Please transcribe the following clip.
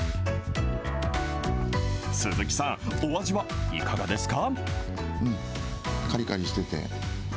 鈴木さん、お味はいかがですか？